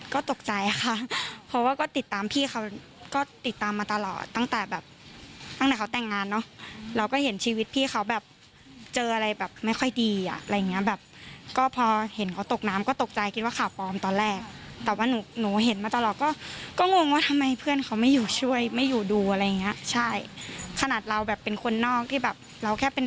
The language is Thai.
ก็ตกใจค่ะเพราะว่าก็ติดตามพี่เขาก็ติดตามมาตลอดตั้งแต่แบบตั้งแต่เขาแต่งงานเนอะเราก็เห็นชีวิตพี่เขาแบบเจออะไรแบบไม่ค่อยดีอ่ะอะไรอย่างเงี้ยแบบก็พอเห็นเขาตกน้ำก็ตกใจคิดว่าข่าวปลอมตอนแรกแต่ว่าหนูหนูเห็นมาตลอดก็ก็งงว่าทำไมเพื่อนเขาไม่อยู่ช่วยไม่อยู่ดูอะไรอย่างเงี้ยใช่ขนาดเราแบบเป็นคนนอกที่แบบเราแค่เป็น